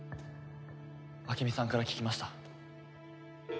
朱美さんから聞きました。